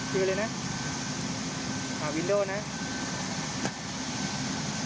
บรรยากาศหวัดชาติสวรรค์